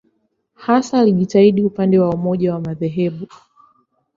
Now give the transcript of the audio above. Hasa alijitahidi upande wa umoja wa madhehebu.